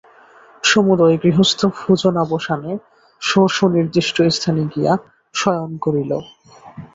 সমুদয় গৃহস্থ ভোজনাবসানে স্ব স্ব নির্দিষ্ট স্থানে গিয়া শয়ন করিল।